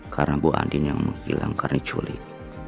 karena bu andin yang menghilang karena diculik